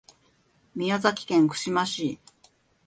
宮崎県串間市